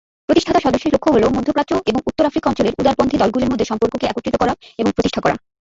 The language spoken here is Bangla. প্রতিষ্ঠাতা সদস্যের লক্ষ্য হলো মধ্য প্রাচ্য এবং উত্তর আফ্রিকা অঞ্চলের উদারপন্থী দলগুলির মধ্যে সম্পর্ককে একত্রিত করা এবং প্রতিষ্ঠা করা।